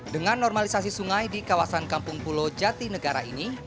dengan normalisasi sungai di kawasan kampung pulau jatinegara ini